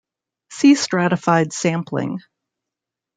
See stratified sampling.